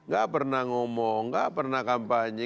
gak pernah ngomong gak pernah kampanye